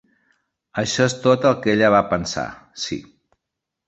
Això és tot el que ella va pensar, sI.